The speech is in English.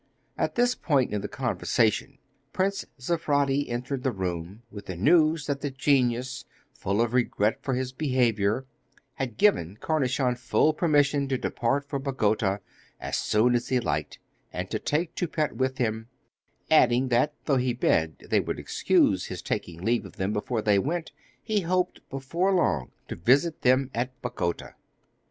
At this point of the conversation the Prince Zeprady entered the room, with the news that the genius, full of regret for his behaviour, had given Cornichon full permission to depart for Bagota as soon as he liked, and to take Toupette with him; adding that, though he begged they would excuse his taking leave of them before they went, he hoped, before long, to visit them at Bagota.